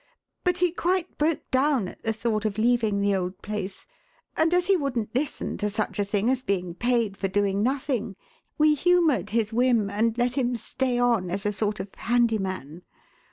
But he quite broke down at the thought of leaving the old place, and as he wouldn't listen to such a thing as being paid for doing nothing, we humoured his whim and let him stay on as a sort of handy man.